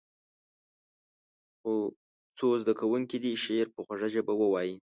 څو زده کوونکي دې شعر په خوږه ژبه ووایي.